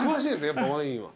やっぱワインは。